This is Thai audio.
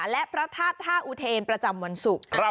และพระธาตุท่าอุเทนประจำวันศุกร์